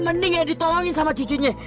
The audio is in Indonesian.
mending ya ditolongin sama cucunya